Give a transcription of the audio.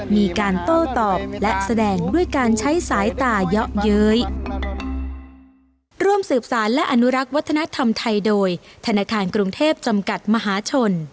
มีการโต้ตอบและแสดงด้วยการใช้สายตาเยาะเย้ย